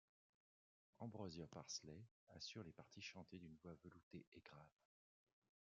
Ambrosia Parsley assure les parties chantées d'une voix veloutée et grave.